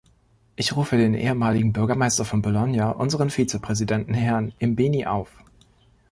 Ich rufe den ehemaligen Bürgermeister von Bologna, unseren Vizepräsidenten Herrn Imbeni auf.